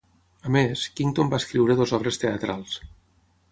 A més, Kington va escriure dues obres teatrals.